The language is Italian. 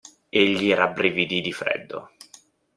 Egli rabbrividì di freddo.